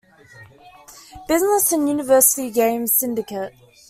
'Business and University Games Syndicate'.